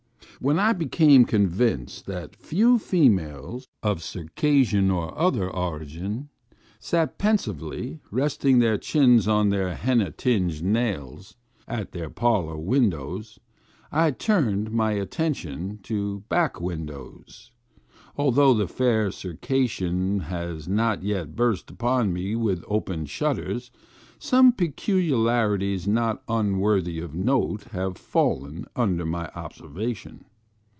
When I became convinced that few females, of Circassian or other origin, sat pensively resting their chins on their henna tinged nails, at their parlor windows, I turned my atten tion to back windows. Although the fair Circas sian has not yet burst upon me with open shutters, some peculiarities not unworthy of note have fallen under my observation.